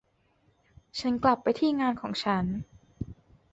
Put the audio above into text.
ฉันกลับไปที่งานของฉัน